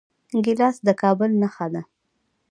ګیلاس د کابل نښه ده.